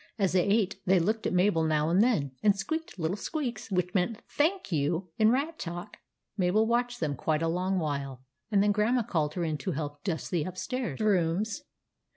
As they ate, they looked at Mabel now and then, and squeaked little squeaks which meant " thank you " in rat talk. Mabel watched them quite a long while, and then Grandma called her in to help dust the upstairs rooms.